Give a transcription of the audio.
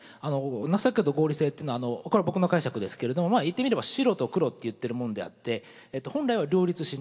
情けと合理性というのはこれは僕の解釈ですけれども言ってみれば白と黒って言ってるもんであって本来は両立しない。